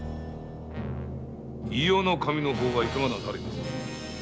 伊予守の方はいかがなされます？